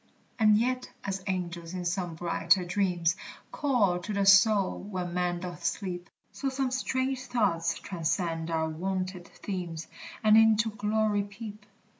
And yet, as angels in some brighter dreams Call to the soul when man doth sleep, So some strange thoughts transcend our wonted themes, And into glory peep.